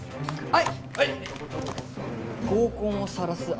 はい！